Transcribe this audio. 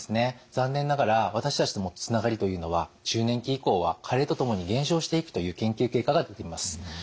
残念ながら私たちのつながりというのは中年期以降は加齢とともに減少していくという研究結果が出ています。